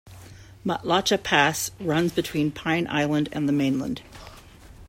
Matlacha Pass runs between Pine Island and the mainland.